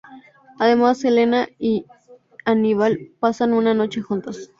Además, Elena y Aníbal pasan una noche juntos.